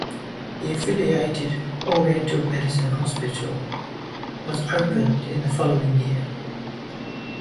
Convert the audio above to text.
The affiliated Oriental medicine hospital was opened in the following year.